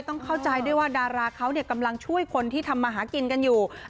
ต้องเข้าใจด้วยว่าดาราเขากำลังช่วยคนที่ทำมาหากินกันอยู่